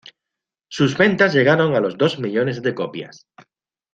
Sus ventas llegaron a los dos millones de copias.